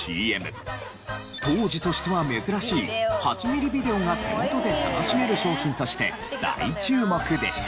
当時としては珍しい８ミリビデオが手元で楽しめる商品として大注目でした。